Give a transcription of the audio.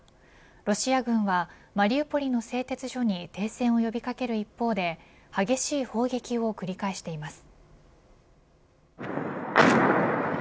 ロシア軍はマリウポリの製鉄所に停戦を呼び掛ける一方で激しい砲撃を繰り返しています。